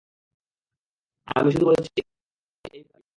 আমি শুধু বলেছি এই ফোনটা তাকে দিয়ে আসবি।